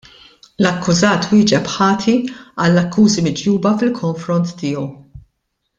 L-akkużat wieġeb ħati għall-akkużi miġjuba fil-konfront tiegħu.